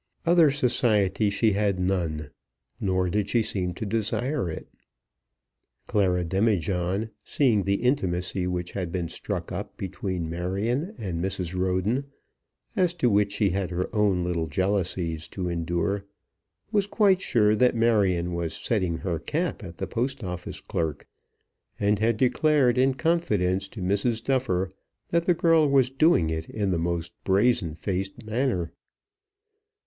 Other society she had none, nor did she seem to desire it. Clara Demijohn, seeing the intimacy which had been struck up between Marion and Mrs. Roden, as to which she had her own little jealousies to endure, was quite sure that Marion was setting her cap at the Post Office clerk, and had declared in confidence to Mrs. Duffer that the girl was doing it in the most brazen faced manner.